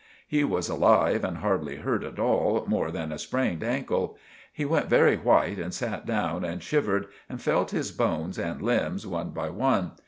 He was alive and hardly hurt at all more than a spraned ankle. He went very white and sat down and shivered and felt his bones and limbs one by one.